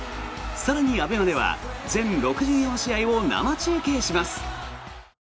更にＡＢＥＭＡでは全６４試合を生中継します。